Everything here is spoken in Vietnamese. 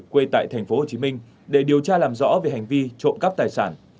quê tại tp hcm để điều tra làm rõ về hành vi trộm cắp tài sản